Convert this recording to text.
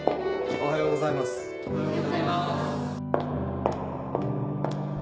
おはようございます。